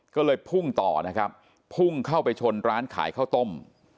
ก็เลยพุ่งต่อนะครับพุ่งเข้าไปชนร้านขายข้าวต้ม